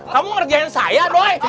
kamu ngerjain saya doi